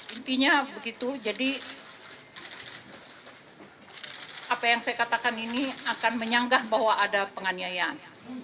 intinya begitu jadi apa yang saya katakan ini akan menyanggah bahwa ada penganiayaan